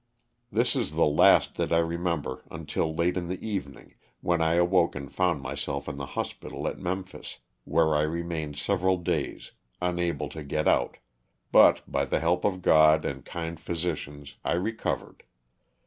This is the last that I remember until late in the even ing when I awoke and found myself in the hospital at Memphis where I remained several days unable to get out, but, by the help of God and kind physicians I recovered.